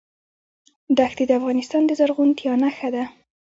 دښتې د افغانستان د زرغونتیا نښه ده.